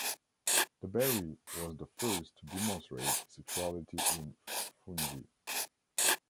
De Bary was the first to demonstrate sexuality in fungi.